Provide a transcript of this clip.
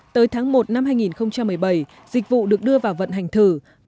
tới tháng một năm hai nghìn một mươi bảy dịch vụ được đưa vào vận hành thử